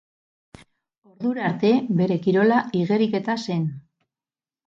Ordura arte, bere kirola igeriketa zen.